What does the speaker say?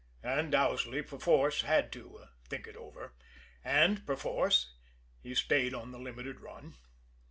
And Owsley, perforce, had to "think it over" and, perforce, he stayed on the limited run.